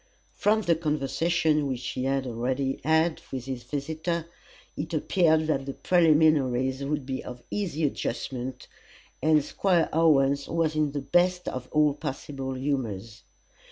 From the conversation which he had already had with his visitor, it appeared that the preliminaries would be of easy adjustment, and Squire Owens was in the best of all possible humours.